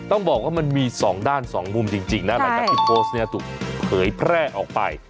ต้องบอกว่ามันมี๒ด้าน๒มุมจริงนะอะไรกับที่โพสต์เนี่ยถูกเผยแพร่ออกไป